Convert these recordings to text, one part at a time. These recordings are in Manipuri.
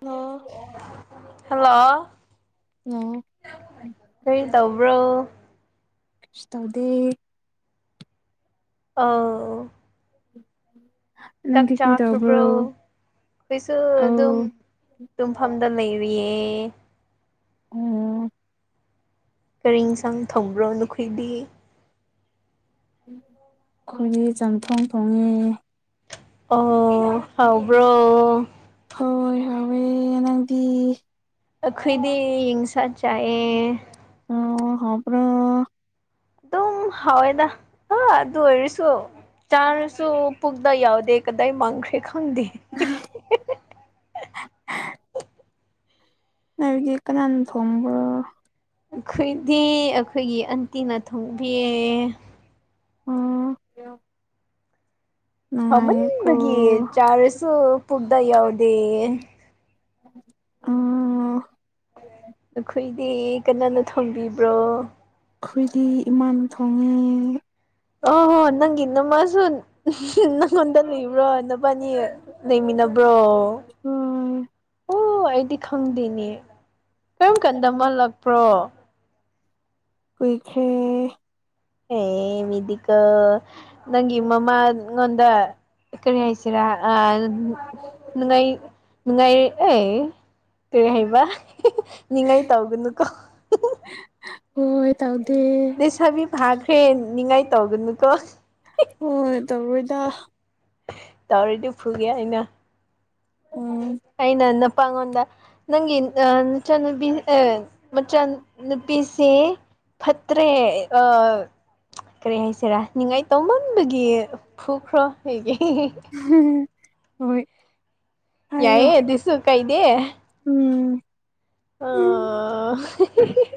ꯍꯜꯂꯣ ꯍꯦꯜꯂꯣ ꯍꯜꯂꯣ ꯀꯔꯤ ꯇꯧꯕ꯭ꯔꯣ ꯀꯩꯁꯨ ꯇꯧꯗꯦ ꯑꯥ ꯎꯝ ꯆꯥꯛ ꯆꯥꯈ꯭ꯔꯕ꯭ꯔꯣ ꯑꯩꯈꯣꯏꯁꯨ ꯑꯧ ꯑꯗꯨꯝ ꯇꯨꯝꯐꯝꯗ ꯂꯩꯔꯤ [unintelligible] [unintelligible] ꯀꯔꯤ ꯏꯟꯁꯥꯡ ꯊꫭꯡꯕ꯭ꯔꯣ ꯅꯈꯣꯏꯗꯤ ꯈꫭꯏꯒꯤ ꯆꯝꯊꯣꯡ ꯊꯣꯡꯉꯦ ꯑꯣ ꯍꯥꯎꯕ꯭ꯔꯣ ꯌꯥꯎꯋꯦ ꯅꯪꯗꯤ ꯑꯈꯣꯏꯗꯤ ꯌꯦꯡꯁꯥ ꯆꯥꯏꯌꯦ ꯍꯥꯎꯕ꯭ꯔꫭ ꯑꯗꯨꯝ ꯍꯥꯎꯋꯤꯗ [unintelligible] ꯑꯗꯨ ꯑꯣꯏꯔꯁꯨ ꯆꯥꯔꯁꯨ ꯄꯨꯛꯇ ꯌꯥꯎꯗꯦ ꯀꯗꯥꯏ ꯃꯥꯡꯈ꯭ꯔꯦ ꯈꯪꯗꯦ [unintelligible] [inaudible] ꯅꫭꯏꯗꯤ ꯀꯅꯥꯅ ꯊꯣꯡꯕ꯭ꯔꯣ ꯑꯩꯈꯣꯏꯗꯤ ꯑꯩꯈꯣꯏꯒꯤ ꯑꯟꯇꯤꯅ ꯊꯣꯡꯕꯤꯌꯦ ꯑꫭ [unintelligible] ꯍꯥꯎꯃꯟꯕꯒꯤ ꯆꯥꯔꯁꯨ ꯄꯨꯛꯗ ꯌꯥꯎꯗꯤꯌꯦ ꯎꯝ ꯅꯈꯣꯏꯗꯤ ꯀꯅꯥꯅ ꯊꯣꯡꯕꯤꯕ꯭ꯔꯣ ꯑꯈꯨꯏꯗꯤ ꯏꯃꯥꯅ ꯊꯣꯡꯉꯦ ꯑꯣ ꯍꯣ ꯅꯪꯒꯤ ꯅꯃꯥꯁꯨ [unintelligible] ꯅꯪꯉꯣꯟꯗ ꯂꯩꯕ꯭ꯔꯣ ꯅꯕꯥꯅꯤ ꯂꯩꯃꯤꯟꯅꯕ꯭ꯔꯣ ꯍꯣꯏ ꯑꯣ ꯑꯩꯗꯤ ꯈꯪꯗꯦꯅꯦ ꯀꯔꯝ ꯀꯥꯟꯗ ꯃꯥ ꯂꯥꯛꯄ꯭ꯔꯣ ꯀꯨꯏꯈ꯭ꯔꯦ [unintelligible] ꯃꯤ ꯗꯤꯀꫭ ꯅꯪꯒꯤ ꯃꯃꯥꯉꯣꯟꯗ ꯀꯔꯤ ꯍꯥꯏꯁꯤꯔ ꯑ ꯅꯨꯡꯉꯥꯏ ꯅꯨꯡꯉꯥꯏ ꯑꯦ ꯀꯔꯤ ꯍꯥꯏꯕ [unintelligible] ꯅꯤꯡꯉꯥꯏ ꯇꯧꯒꯅꯨꯀꯣ [unintelligible] ꯍꯣꯏ ꯇꯧ ꯂꯩꯁꯥꯕꯤ ꯐꯥꯈ꯭ꯔꯦ ꯅꯤꯡꯉꯥꯏ ꯇꯧꯒꯅꯨꯀꯣ [unintelligible] ꯍꯣꯏ [unintelligible] ꯇꯧꯔꯗꯤ ꯐꯨꯅꯤ ꯑꯩꯅ ꯎꯝ [inaudible] ꯑꯩꯅ ꯅꯄꯥꯉꯣꯟꯗ ꯅꯪꯒꯤ ꯑ ꯅꯆꯥꯟꯅꯨꯄꯤ ꯑ ꯃꯆꯥ ꯅꯨꯄꯤ ꯁꯦ ꯐꯠꯇ꯭ꯔꯦ ꯑ ꯀꯔꯤ ꯍꯥꯏꯁꯤꯔ ꯅꯤꯡꯉꯥꯏ ꯇꯧꯃꯟꯕꯒꯤ ꯐꯨꯈ꯭ꯔꯣ ꯍꯥꯏꯒꯦ [unintelligible] ꯍꯣꯏ ꯍꯥꯏꯌꯣ ꯑꯗꯨꯁꯨ ꯎꯝ ꯑ [unintelligible]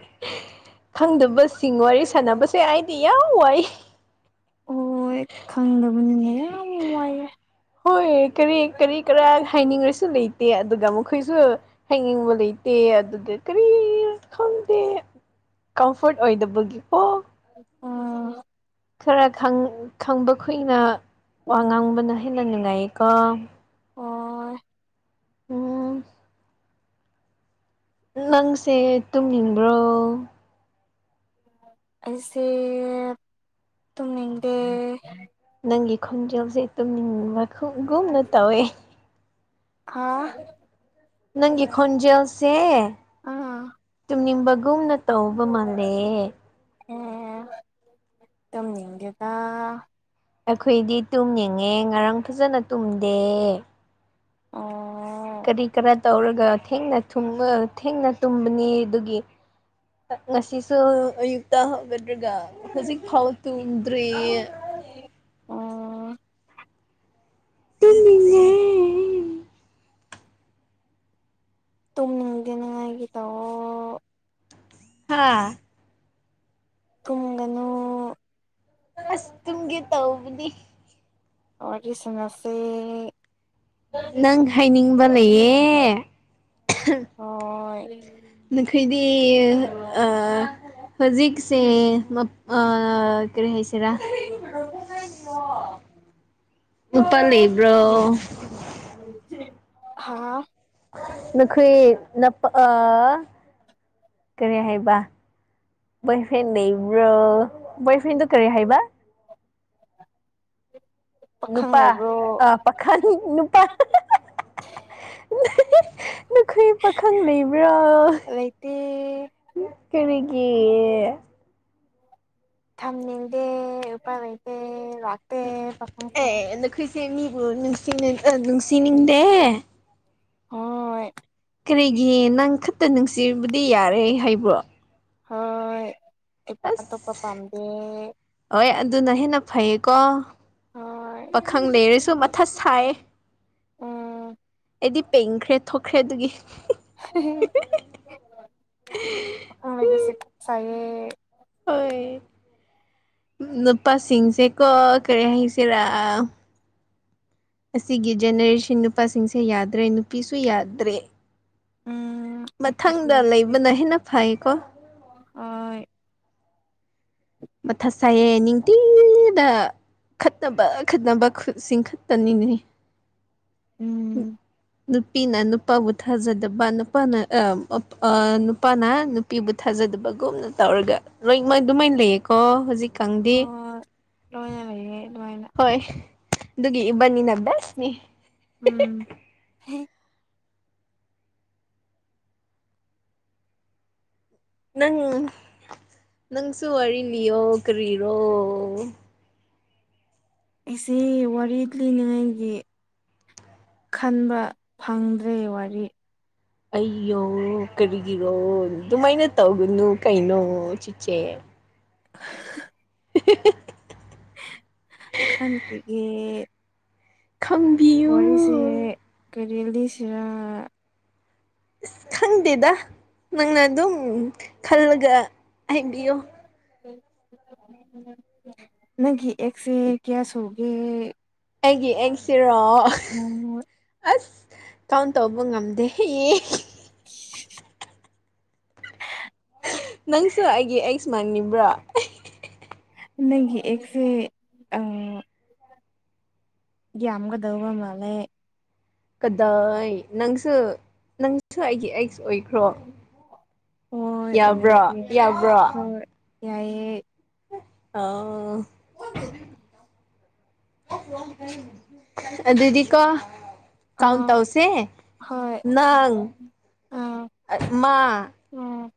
ꯈꯪꯗꯕꯁꯤꯡ ꯋꯥꯔꯤ ꯁꯥꯟꯅꯕꯁꯨ ꯌꯥꯏ [unintelligible] ꯌꯥꯝ ꯋꯥꯏ ꯑꫭꯏ ꯈꯪꯗꯕꯅꯤꯅ ꯌꯥꯝ ꯋꯥꯏꯌꯦ ꯍꯣꯏ ꯀꯔꯤ ꯀꯔꯤ ꯀꯔꯥ ꯍꯥꯏꯅꯤꯡꯔꯁꯨ ꯂꯩ ꯇꯦ ꯑꯗꯨꯒ ꯃꯈꯣꯏꯁꯨ ꯍꯥꯏꯅꯤꯡꯕ ꯂꯩꯇꯦ ꯑꯗꯨꯒ ꯀꯔꯤ ꯈꯪꯗꯦ ꯀꯝꯐꯣꯔꯠ ꯑꯣꯏꯗꯕꯒꯤ ꯑꯣ ꯎꯝ ꯈꯔ ꯈꯪ ꯈꯪꯕ ꯈꫭꯏꯅ ꯋꯥ ꯉꯥꯡꯕꯅ ꯍꯦꯟꯅ ꯅꯨꯡꯉꯥꯏꯌꯦꯀꯣ ꯍꫭꯏ ꯎꯝ ꯅꯪꯁꯦ ꯇꯨꯝꯅꯤꯡꯕ꯭ꯔꯣ ꯑꯩꯁꯦ ꯇꯨꯝꯅꯤꯡꯗꯦ ꯅꯪꯒꯤ ꯈꯣꯟꯖꯦꯜꯖꯦ ꯇꯨꯝꯅꯤꯡꯕ ꯈꯨꯒꯨꯝꯅ ꯇꯧꯋꯦ ꯍꯥ ꯅꯪꯒꯤ ꯈꯣꯟꯖꯦꯜ ꯁꯦꯑꯦ ꯑꯥꯑ ꯅꯤꯡꯕꯒꯨꯝꯅ ꯇꯧꯕ ꯃꯥꯜꯂꯦ ꯑꯦ ꯇꯨꯝꯅꯤꯡꯗꯦꯗꯥ ꯑꯩꯈꯣꯏꯗꯤ ꯇꯨꯝꯅꯤꯡꯉꯦ ꯉꯔꯥꯡ ꯐꯖꯅ ꯇꯨꯝꯗꯦꯑꯦ ꯑꯣꯑꯣ ꯀꯔꯤ- ꯀꯔ ꯇꯧꯔꯒ ꯊꯦꯡꯅ ꯊꯨꯝꯃ ꯊꯦꯡꯅ ꯇꯨꯝꯕꯅꯤ ꯑꯗꯨꯒꯤ ꯉꯁꯤꯁꯨ ꯑꯌꯨꯛꯇ ꯍꯧꯒꯠ ꯂꯒꯥ ꯍꯧꯖꯤꯛ ꯐꯥꯎ ꯇꯨꯝꯗ꯭꯭ꯔꯤꯑꯦ ꯑꯣ UNINTELLIGIBLE ꯇꯨꯝꯅꯤꯡꯗꯅꯤꯉꯥꯏꯒꯤ ꯇꯧꯑꯣꯣ ꯍꯥꯥꯑꯥ ꯇꯨꯝꯒꯅꯨ ꯑꯥꯁ ꯇꯨꯝꯒꯦ ꯇꯧꯕꯅꯤ ꯋꯥꯔꯤ ꯁꯥꯟꯅꯁꯦ ꯅꯪ ꯍꯥꯏꯅꯤꯡꯕ ꯂꯩꯌꯦꯑꯦ ꯍꯣꯏ UNINTELLIGIBLE ꯑꯥ ꯑꯥ ꯀꯔꯤ ꯍꯥꯢꯁꯤꯔꯥ ꯅꯨꯄꯥ ꯂꯩꯕ꯭ꯔꯣ ꯍꯥꯥ ꯍꯥꯍꯥꯎ ꯅꯈꯣꯏ ꯅꯄꯥ ꯑꯥ ꯀꯔꯤ ꯍꯥꯏꯕ ꯕꯣꯢꯐ꯭ꯔꯦꯟ ꯂꯩꯕ꯭ꯔꯣ ꯕꯣꯏ ꯐ꯭ꯔꯦꯟꯗꯣ ꯀꯔꯤ ꯍꯥꯏꯕꯑꯥ ꯄꯥꯈꯪ ꯅꯨꯄꯥ ꯂꯩꯕ꯭ꯔꯣ ꯑꯥ ꯄꯈꯪ ꯅꯨꯄꯥ ꯅꯈꯣꯏ ꯄꯥꯈꯪ ꯂꯩꯕ꯭ꯔꯣ ꯂꯩꯇꯦ ꯀꯔꯤꯒꯤꯏ ꯊꯝꯅꯤꯡꯗꯦ ꯎꯄꯥꯢ ꯂꯩꯇꯦ ꯂꯥꯛꯇꯦ ꯄꯈꯪꯈꯩ ꯁꯤ ꯃꯤꯕꯨ ꯅꯨꯡꯁꯤꯅ ꯅꯨꯡꯁꯤꯅꯤꯡ ꯗꯦꯑꯦ ꯍꯣꯍꯣꯢ ꯀꯔꯤꯒꯤ ꯅꯪ ꯈꯛꯇ ꯅꯨꯡꯁꯤꯕꯗꯤ ꯌꯥꯔꯦ ꯍꯥꯏꯕ꯭ꯔꯣ ꯍꯣꯏ ꯏꯄꯥ ꯑꯇꯣꯞꯄ ꯑꯁ ꯄꯥꯝꯗꯦ ꯍꯣꯏ ꯑꯗꯨꯅ ꯍꯦꯟꯅ ꯐꯩꯌꯦꯀꯣ ꯍꯣꯏ ꯄꯥꯈꯪ ꯂꯩꯔꯁꯨ ꯃꯊꯥ ꯁꯥꯏ ꯌꯦ ꯎꯝ ꯑꯩꯗꯤ ꯄꯦꯟꯈ꯭ꯔꯦ ꯊꯣꯛꯈ꯭ꯔꯦ ꯑꯗꯨꯒꯤ UNINTELLIGIBLE INAUDIBLE ꯅꯨꯄꯥꯁꯤꯡꯁꯦ ꯀꯣ ꯀꯔꯤ ꯍꯥꯏꯁꯦꯔ ꯑꯁꯤꯒꯤ ꯖꯦꯅꯦꯔꯦꯁꯟ ꯅꯨꯄꯥꯁꯤꯡꯁꯦ ꯌꯥꯗ꯭ꯔꯦ- ꯅꯨꯄꯤꯁꯤꯡꯁꯨ ꯌꯥꯗ꯭ꯔꯦ ꯎꯝ ꯅꯨꯄꯤꯁꯨ ꯃꯊꯪꯗ ꯌꯥꯗꯦ ꯂꯩꯕꯅ ꯍꯦꯟꯅ ꯐꯩꯌꯦꯀꯣ ꯍꯣꯏ ꯃꯊꯥ ꯁꯥꯢꯌꯦ ꯅꯤꯡꯇꯤ UNINTELLIGIBLE ꯎꯪ ꯅꯨꯄꯤꯅ ꯅꯨꯄꯥꯕꯨ ꯊꯥꯖꯗꯕ ꯅꯨꯄꯥꯅ ꯑꯥ ꯑꯥꯅꯨꯄꯥꯅ ꯅꯨꯄꯤꯕꯨ ꯊꯥꯖ ꯗꯕꯒꯨꯝꯅ ꯇꯧꯔꯒ ꯂꯣꯏ ꯑꯗꯨꯃꯥꯢꯅ ꯂꯩ ꯀꯣ ꯍꯧꯖꯤꯛꯀꯟꯗꯤ ꯍꯣꯏ ꯂꯣꯏꯅ ꯂꯩꯌꯦ ꯑꯗꯨꯃꯥꯏꯅ ꯍꯣꯏ ꯑꯗꯨꯒꯤ ꯢꯕꯅꯤꯅ ꯕꯦꯁꯅꯤ ꯎꯝ ꯍꯦ ꯅꯪ ꯅꯪꯁꯨ ꯋꯥꯔꯤ ꯂꯤꯌꯣ ꯀꯔꯤꯔꯣ ꯑꯩꯁꯦ ꯋꯥꯔꯤ ꯂꯤꯅꯤꯡꯉꯥꯏꯒꯤ ꯈꯟꯕ ꯐꯪꯗ꯭ꯔꯦ ꯋꯥꯔꯤ ꯑꯩꯌꯣ ꯀꯔꯤꯒꯤꯔꯣ ꯑꯗꯨꯃꯥꯏꯅ ꯇꯧꯒꯅꯨ ꯀꯩꯅꯣ ꯆꯤꯆꯦ [unintelligible] ꯈꯟ ꯀꯤꯒꯦ ꯈꯪꯕꯤꯌꯨ ꯋꯥꯔꯤꯁꯦ ꯀꯔꯤꯂꯤꯁꯤꯔ [unintelligible] ꯈꯪꯗꯦꯗ ꯅꯪꯅ ꯑꯗꯨꯝ ꯈꯜꯂꯒ ꯍꯥꯏꯕꯤꯌꯣ ꯅꯪꯒꯤ ꯑꯦꯛꯁꯁꯦ ꯀꯌꯥꯁꯨꯒꯦ ꯑꯩꯒꯤ ꯑꯦꯛꯁꯁꯤꯔꯣ ꯑꯁ ꯀꯥꯎꯟ ꯇꯧꯕ ꯉꯝꯗꯦ ꯌꯦ [unintelligible] ꯅꯪꯁꯨ ꯑꯩꯒꯤ ꯑꯧꯛꯁꯃꯟꯅꯤꯕ꯭ꯔꯣ ꯅꯪꯒꯤ ꯑꯦꯛꯁꯁꯦ ꯑꯪ ꯌꯝꯒꯗꯕ ꯃꯥꯟꯂꯦ ꯀꯗꯥꯏ ꯅꯪꯁꯨ ꯅꯪꯁꯨ ꯑꯩꯒꯤ ꯑꯦꯛꯁ ꯑꯣꯏꯈ꯭ꯔꯣ ꯍꯣꯏ ꯌꯥꯕ꯭ꯔꯣ ꯑꯣꯏꯔꯒꯦ ꯌꯥꯕ꯭ꯔꯣ [unintelligible] ꯌꯥꯏꯑꯦ ꯑꯣ ꯑꯗꯨꯗꯤ ꯀꯣ ꯀꯥꯎꯟ ꯑꯥ ꯇꯧꯁꯦ ꯍꯣꯏ ꯅꯪ ꯑꯥ ꯃ ꯎꯝ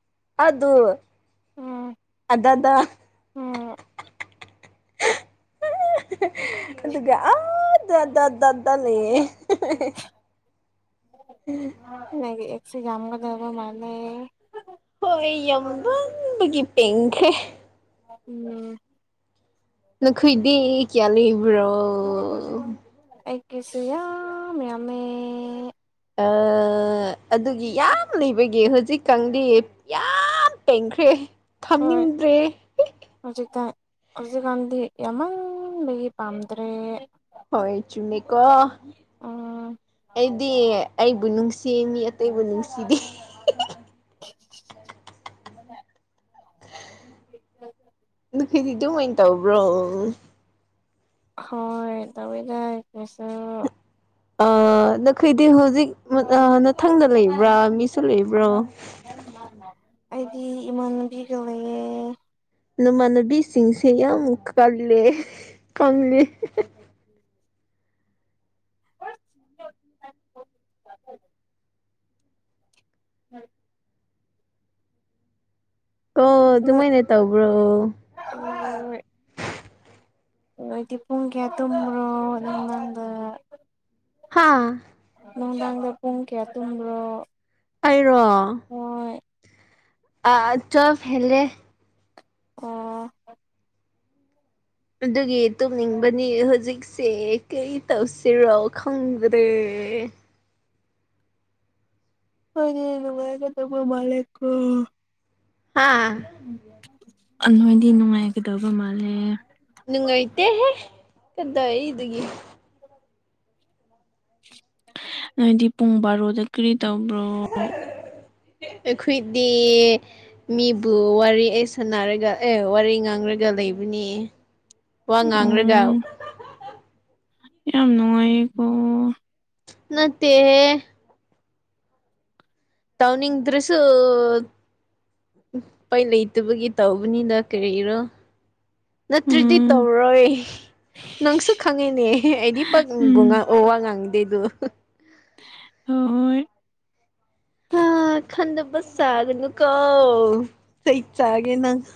ꯑꯗꯨ ꯎꯝ ꯑꯗꯗ ꯎꯝ [unintelligible] ꯑꯗꯨꯒ ꯑꯥꯗꯥꯗꯗ ꯂꯩꯌꯦꯦ ꯎꯝ ꯅꯪꯒꯤ ꯑꯦꯛꯁꯦ ꯌꯥꯝꯒꯗꯕ ꯃꯥꯜꯂꯦ ꯍꯣꯏ ꯌꯥꯝꯕꯒꯤ ꯄꯦꯡꯈ꯭ꯔꯦ ꯎꯝ ꯅꯈꯣꯏꯗꯦ ꯀꯌꯥ ꯂꯩꯕ꯭ꯔꯣ ꯑꯩꯒꯤꯁꯨ ꯌꯥꯝ ꯃꯌꯥꯝꯃꯦ ꯑꯗꯨꯒꯤ ꯌꯥꯝ ꯂꯩꯕꯒꯤ ꯍꯧꯖꯤꯛꯀꯥꯟꯗꯤ ꯌꯥꯝ ꯌꯥꯝ ꯄꯦꯡꯈ꯭ꯔꯦ ꯊꯝꯅꯤꯡꯗ꯭ꯔꯦ ꯍꯧꯖꯤꯀꯥꯟꯗꯤ ꯌꯥꯝꯃꯟꯕꯒꯤ ꯄꯥꯝꯗ꯭ꯔꯦ ꯍꯣꯏ ꯆꯨꯝꯅꯤꯀꯣ ꯎꯝ ꯑꯩꯗꯤ ꯑꯩꯕꯨ ꯅꯨꯡꯁꯤ ꯆꯦꯃꯤ ꯑꯇꯩꯕꯨ ꯅꯨꯡꯁꯤꯗꯦ [inaudible] [unintelligible] ꯑꯗꯨ ꯑꯣꯏꯅ ꯇꯧꯕ꯭ꯔꯣ ꯍꯣꯏ ꯇꯧꯕꯗ ꯀꯩꯁꯣ ꯑ ꯅꯈꯣꯏꯗꯤ ꯍꯧꯖꯤꯛ ꯃꯊꯪꯗ ꯂꯩꯕ꯭ꯔꯥ ꯃꯤꯁꯨ ꯂꯩꯕ꯭ꯔꯣ ꯑꯩꯗꯤ ꯏꯃꯥꯟꯅꯕꯤꯒ ꯂꯩꯌꯦ ꯅꯃꯥꯟꯅꯕꯤꯁꯤꯡꯁꯦ ꯌꯥꯝ ꯀꯜꯂꯦ ꯀꯜꯂꯤ [inaudible] ꯑꯣ ꯅꯣꯏ ꯑꯗꯨꯃꯥꯏꯅ ꯇꯧꯕ꯭ꯔꯣ ꯅꯣꯏꯗꯤ ꯄꯨꯡ ꯀꯌꯥ ꯇꯨꯃꯕꯔꯣ ꯅꯨꯡꯗꯥꯡꯗ ꯍꯥꯥ ꯅꯨꯡꯗꯥꯥꯡ꯭ꯗ ꯄꯨꯡ ꯀꯌꯥ ꯇꯨꯝ꯭ꯕꯔꯣ ꯑꯩꯔꯣ ꯑꯥ ꯇꯨꯋꯦꯜꯐ ꯍꯦꯜꯂꯦ ꯑꯣ ꯑꯗꯨꯒꯤ ꯇꯨꯝꯅꯤꯡꯕꯅꯤ ꯍꯧꯖꯤꯛ ꯁꯦ ꯀꯔꯤ ꯇꯧꯁꯤꯔꯣ ꯈꯪꯗ꯭ꯔꯦ ꯑꯈꯣꯏꯗꯤ ꯅꯨꯡꯉꯥꯏꯒꯗꯕ ꯃꯥꯜꯂꯦꯀꯣ ꯍꯥꯥ ꯑꯥ ꯅꯣꯏꯗꯤ ꯅꯨꯡꯉꯥꯏꯒꯗꯕ ꯃꯥꯜꯂꯦ ꯅꯨꯡꯉꯥꯏꯇꯦꯍꯦ ꯀꯗꯥꯏꯗꯒꯤ ꯅꯣꯏꯗꯤ ꯄꯨꯡ ꯕꯥꯔꯣꯗ ꯀꯔꯤ ꯇꯧꯕ꯭ꯔꯣ ꯑꯩꯈꯣꯏꯗꯤ ꯃꯤꯕꯨ ꯋꯥꯔꯤ ꯑꯩ ꯁꯥꯟꯅꯔꯒ ꯑꯦ ꯋꯥꯔꯤ ꯉꯥꯡꯔꯒ ꯂꯩꯕꯅꯤ ꯋꯥ ꯑꯣ ꯉꯥꯡ꯭ꯔꯒ ꯌꯥꯝ ꯅꯨꯡꯉꯥꯏꯌꯦꯀꯣ ꯅꯠꯇꯦꯍꯦ ꯇꯧꯅꯤꯡꯗ꯭ꯔꯁꯨ ꯎꯄꯥꯏ ꯂꯩꯇꯕꯒꯤ ꯇꯧꯕꯅꯤꯗ ꯀꯔꯤꯔꯣ ꯅꯠꯇ꯭ꯔꯗꯤ ꯎꯝ ꯇꯧꯔꯣꯏ ꯅꯪꯁꯨ ꯈꯪꯉꯤꯅꯦ ꯑꯩꯗꯤ ꯄꯛꯅꯕꯨ ꯎꯝ ꯋꯥ ꯉꯥꯡꯗꯦꯗꯣ ꯍꯣꯏ ꯍꯥꯥ ꯈꯟꯗ ꯁꯥꯒꯅꯨꯀꯣ ꯆꯩ ꯆꯥꯒꯦ ꯅꯪ [inaudible]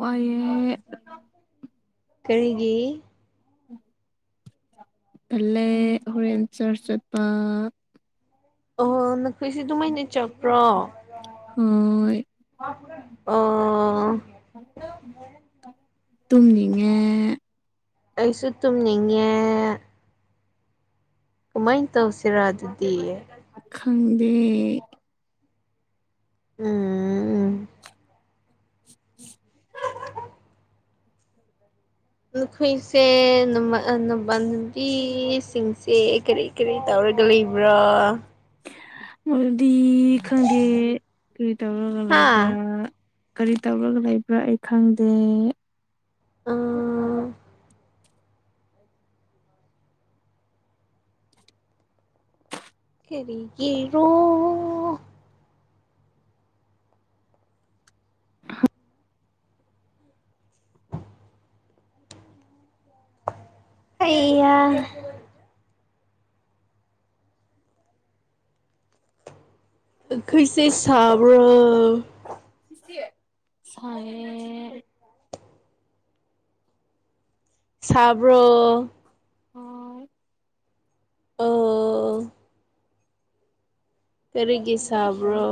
ꯋꯥꯏꯌꯦ ꯀꯔꯤꯒꯤ ꯇꯜꯂꯦ ꯍꯣꯔꯦꯟ ꯆꯔꯁ ꯆꯠꯄ ꯑꯣ ꯅꯈꯣꯏꯁꯦ ꯑꯗꯨꯃꯥꯏꯅ ꯆꯄ꯭ꯔꯣ ꯍꯣꯢ ꯑꯣ ꯇꯨꯝꯅꯤꯡꯉꯦ ꯑꯩꯁꯨ ꯇꯨꯝꯅꯤꯡꯉꯦ ꯀꯃꯥꯏ ꯇꯧꯁꯤꯔꯥ ꯑꯗꯨꯗꯤ ꯈꯪꯗꯦ ꯎꯝ ꯅꯈꯣꯏꯁꯦ ꯅꯥꯃꯟꯅꯕꯤꯁꯤꯡꯁꯦ ꯀꯔꯤ ꯀꯔꯤ ꯇꯧꯔ ꯂꯩꯕ꯭ꯔꯥ ꯗꯤ ꯈꯪꯗꯦ ꯀꯔꯤ ꯇꯧꯔꯒ ꯍꯥ ꯂꯩꯕ꯭ꯔꯥ ꯀꯔꯤ ꯇꯧꯔꯒ ꯂꯩꯕ꯭ꯔꯥ ꯑꯩ ꯈꯪꯗꯦ ꯑꯥ ꯀꯔꯤꯒꯤꯔꯣ ꯍꯩ ꯍꯥ ꯑꯈꯣꯏꯁꯦ ꯁꯥꯕ꯭ꯔꯣ ꯁꯥꯢꯌꯦ ꯁꯥꯕ꯭ꯔꯣ ꯍꯣꯏ ꯑꯣ ꯀꯔꯤꯒꯤ ꯁꯥꯕ꯭ꯔꯣ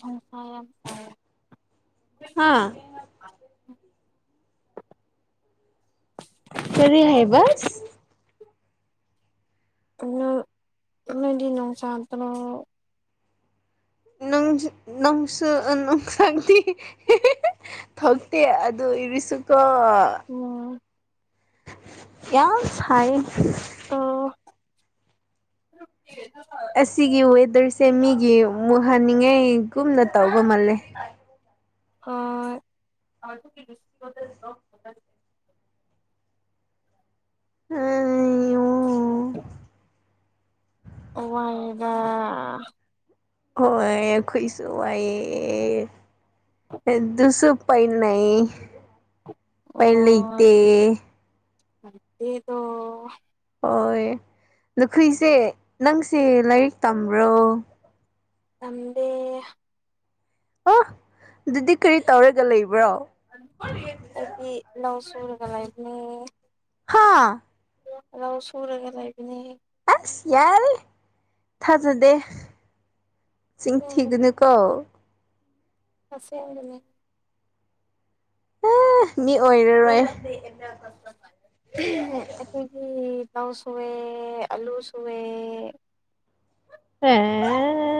ꯌꯥꯝ ꯁꯥꯏ ꯌꯥꯝ ꯁꯥꯏꯌꯦ ꯍꯥꯥ [unintelligible] ꯀꯔꯤ ꯍꯥꯏꯕꯁ ꯅꫭꯏꯗꯤ ꯅꯣꯡꯆꯥꯗ꯭ꯔꯣ ꯅꯪꯖꯨ ꯅꯪꯁꯨ ꯅꯨꯡꯁꯥꯗꯤ [unintelligible] ꯊꯣꯛꯇꯦ ꯑꯗꯨ ꯑꫭꯏꯔꯁꯨꯀꯣ ꯎꯝ ꯌꯥꯝ ꯁꯥꯏꯌꯦ ꯑꫭ ꯑꯁꯤꯒꯤ ꯋꯦꯗꯔꯁꯦ ꯃꯤꯒꯤ ꯃꯨꯠ ꯍꯟꯅꯤꯡꯉꯥꯏ ꯀꯨꯝꯅ ꯇꯧꯕ ꯃꯥꯜꯂꯦ ꯍꯣꯏ [unintelligible] [unintelligible] ꯋꯥꯏꯌꯦꯗ ꯍꯣꯏ ꯑꯈꯣꯏꯁꯨ ꯋꯥꯏꯌꯦ ꯑꯗꯨꯁꯨ ꯄꯥꯏꯅꯩ ꯎꯄꯥꯏ ꯑꯣ ꯂꯩꯇꯦ [inaudible] ꯍꯣꯏ ꯂꯨꯈꯨꯏꯁꯦ ꯅꯪꯁꯦ ꯂꯥꯏꯔꯤꯛ ꯇꯝꯕ꯭ꯔꯣ ꯇꯝꯗꯦ ꯑꯣ ꯑꯗꯨꯗꯤ ꯀꯔꯤ ꯇꯧꯔꯒ ꯂꯩꯕ꯭ꯔꯣ [unintelligible] ꯑꯩꯗꯤ ꯂꯧ ꯁꯨꯔꯒ ꯂꯩꯕꯅꯦ ꯍꯥ ꯂꯧ ꯁꯨꯔꯒ ꯂꯩꯕꯅꯦ ꯑꯥꯁ ꯌꯥꯔꯦ ꯊꯥꯖꯗꯦ ꯆꯤꯟ ꯑꯁꯦꯡꯕꯅꯦ ꯊꯤꯒꯅꯨꯀꯣ ꯑꯁꯦꯡꯕꯅꯦ ꯑꯥ ꯃꯤ ꯑꯣꯏꯔꯔꯣꯏ [unintelligible] ꯑꯩꯈꯣꯏꯒꯤ ꯂꯧ ꯁꯨꯋꯦ ꯑꯂꯨ ꯁꯨꯋꯦ [unintelligible]